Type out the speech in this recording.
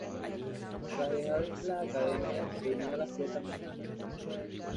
Tras dejar la Academia, se unió a la flota mercante.